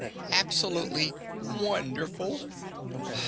"Absolutely wonderful.